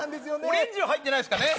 オレンジは入ってないんすかね